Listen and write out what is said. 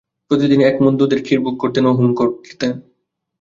প্রতিদিন এক মণ দুধের ক্ষীর ভোগ দিতেন ও হোম করিতেন।